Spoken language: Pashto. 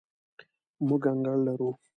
موږ انګړ لرو